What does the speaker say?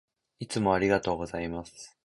いつもありがとうございます。